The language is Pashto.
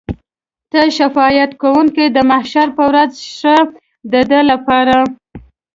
ته شفاعت کوونکی د محشر په ورځ شه د ده لپاره.